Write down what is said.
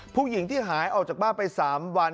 ผู้หญิงที่หายออกจากบ้านไป๓วัน